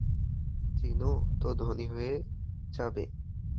চিনো তো ধনী হয়ে যাবে।